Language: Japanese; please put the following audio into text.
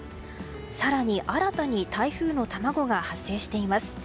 更に、新たに台風の卵が発生しています。